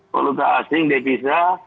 kewalautan asing devisa